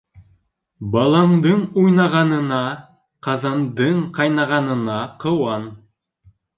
Балаңдың уйнағанына, ҡаҙандың ҡайнағанына ҡыуан.